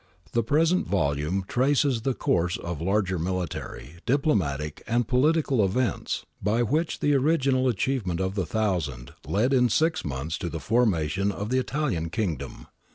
The present volume traces the course of larger military, diplomatic, and political events by which the original achievement of the Thousand led in six months to the formation of the Italian Kingdom.